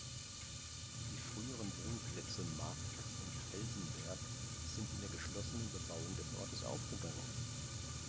Die früheren Wohnplätze Mark und Felsenberg sind in der geschlossenen Bebauung des Ortes aufgegangen.